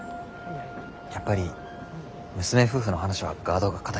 やっぱり娘夫婦の話はガードが堅いか。